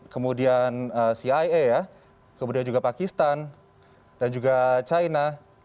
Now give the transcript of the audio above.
kemudian cia ya kemudian juga pakistan dan juga china